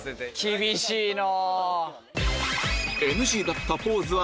厳しいな！